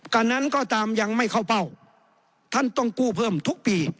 กันนั้นก็ตามยังไม่เข้าเป้าท่านต้องกู้เพิ่มทุกปี